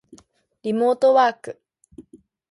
リモートワーク